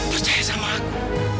percaya sama aku